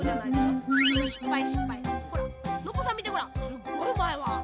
すっごいうまいわ。